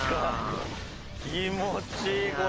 気持ちいいこれ。